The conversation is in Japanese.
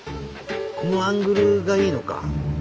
このアングルがいいのか！